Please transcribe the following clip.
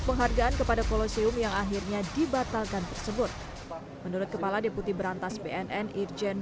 penghargaan kepada polosium yang akhirnya dibatalkan tersebut menurut kepala deputi berantas bnn irjen